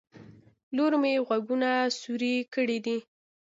لور مې غوږونه سوروي کړي دي